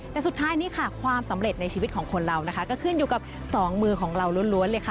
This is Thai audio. และสุดท้ายความสำเร็จในชีวิตของคนเราก็ขึ้นอยู่ส่องมือของเรานล้วน